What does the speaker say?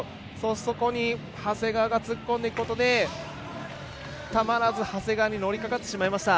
そこに、長谷川が突っ込んでいくことでたまらず長谷川に乗りかかってしまいました。